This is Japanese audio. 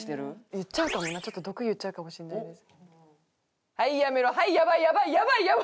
言っちゃうかもなちょっと毒言っちゃうかもしれないです。